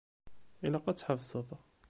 Ilaq ad tḥebseḍ.